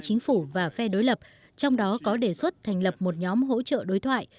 chính phủ và phe đối lập trong đó có đề xuất thành lập một nhóm hỗ trợ đối thoại